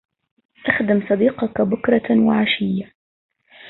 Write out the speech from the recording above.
اخدم صديقك بكرة وعشية